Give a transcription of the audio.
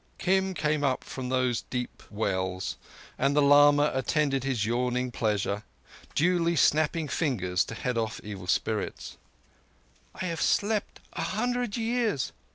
Kim came up from those deep wells, and the lama attended his yawning pleasure; duly snapping fingers to head off evil spirits. "I have slept a hundred years.